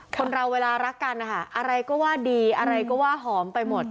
คนเราเวลารักกันนะคะอะไรก็ว่าดีอะไรก็ว่าหอมไปหมด